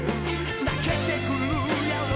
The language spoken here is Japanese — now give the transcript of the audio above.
「泣けてくるやろ」